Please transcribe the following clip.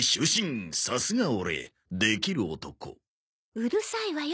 うるさいわよ！